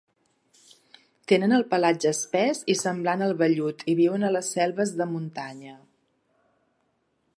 Tenen el pelatge espès i semblant al vellut i viuen a les selves de muntanya.